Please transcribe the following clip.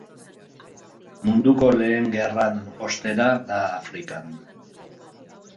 Munduko Lehen Gerran ostera da Afrikan.